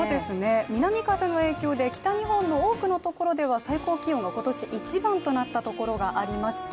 南風の影響で北日本の多くの所では最高気温が今年一番となったところがありました。